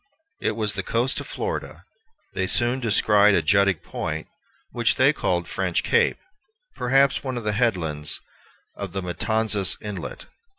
It was the coast of Florida. They soon descried a jutting point, which they called French Cape, perhaps one of the headlands of Matanzas Inlet.